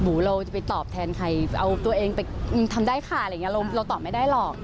บูรูจะไปตอบแทนใครเอาตัวเองไปทำได้ค่ะเราตอบไม่ได้หรอก